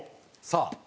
さあ。